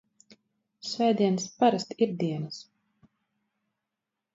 Svētdienas parasti ir dienas.